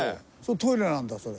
トイレなんだそれ。